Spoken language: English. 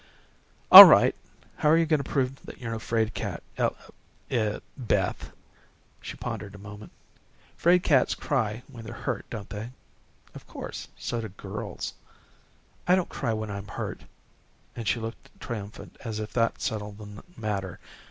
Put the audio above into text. "All right. How are you going to prove you're no 'fraid cat, Eli Beth?" She pondered a moment. "'Fraid cats cry when they're hurt, don't they?" "Of course. So do girls." "I don't cry when I'm hurt," and she looked triumphant as if that settled the matter.